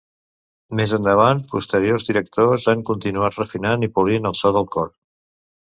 Més endavant posteriors directors han continuat refinant i polint el so del cor.